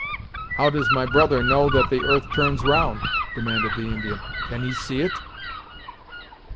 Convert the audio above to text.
"How does my brother know that the earth turns round?" demanded the Indian. "Can he see it?"